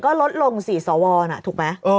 ก็ลดลง๔สวนะถูกไหม